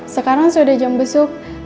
sekarang sudah jam besuk